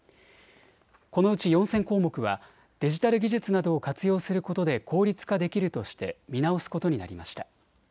このうち４０００項目はデジタル技術などを活用することで効率化できるとして見直すことになりました。